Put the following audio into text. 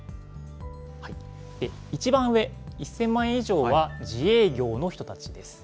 一番上、１０００万円以上は、自営業の人たちです。